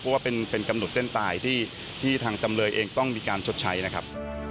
เพราะว่าเป็นกำหนดเส้นตายที่ทางจำเลยเองต้องมีการชดใช้นะครับ